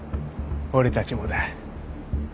俺たちもだ。